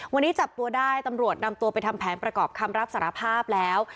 วันนี้จับตัวได้ตำรวจนำตัวไปทำแผนประกอบคำรับสารภาพแล้ว